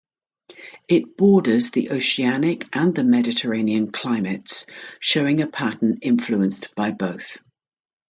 It borders the Oceanic and the Mediterranean climates, showing a pattern influenced by both.